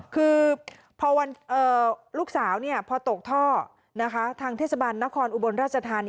คือพอลูกสาวพอตกท่อทางเทศบาลนครอุบรรณราชธาน